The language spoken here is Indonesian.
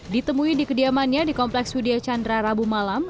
ditemui di kediamannya di kompleks widya chandra rabu malam